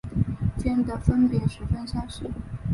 间的分别十分相似。